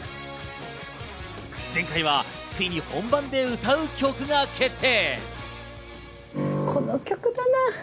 前回はついに本番で歌う曲が決定！